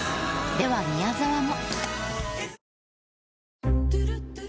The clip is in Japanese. では宮沢も。